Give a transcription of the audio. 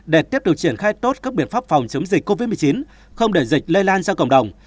để tiếp tục triển khai tốt các biện pháp phòng chống dịch covid một mươi chín không để dịch lây lan ra cộng đồng